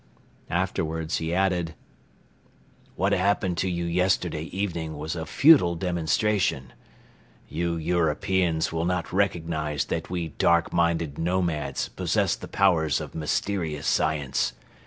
Afterwards he added: "What happened to you yesterday evening was a futile demonstration. You Europeans will not recognize that we dark minded nomads possess the powers of mysterious science.